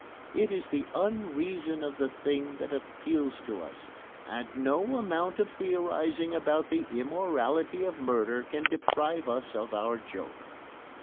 It is the unreason of the thing that appeals to us, and no amount of theorising about the immorality of murder can deprive us of our joke.